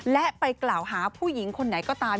และไปกล่าวหาผู้หญิงคนไหนก็ตาม